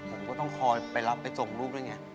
ผมก็ต้องคอยไปรับไปส่งลูกด้วยไง